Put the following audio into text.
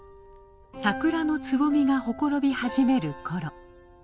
サクラのつぼみがほころび始める頃。